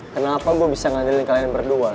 kenapa gue bisa ngadilin kalian berdua